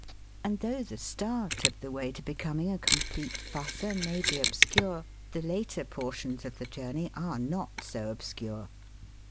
And though the start of the way to becoming a complete f usser may be obscure, the later portions of the journey are not so obscure.